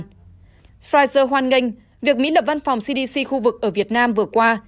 pfizer hoan nghênh việc mỹ lập văn phòng cdc khu vực ở việt nam vừa qua